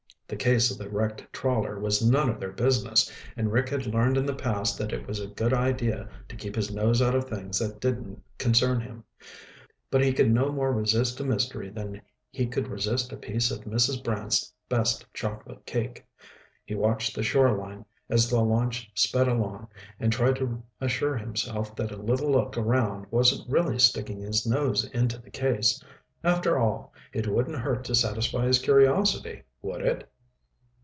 The case of the wrecked trawler was none of their business, and Rick had learned in the past that it was a good idea to keep his nose out of things that didn't concern him. But he could no more resist a mystery than he could resist a piece of Mrs. Brant's best chocolate cake. He watched the shore line as the launch sped along and tried to assure himself that a little look around wasn't really sticking his nose into the case. After all, it wouldn't hurt to satisfy his curiosity, would it?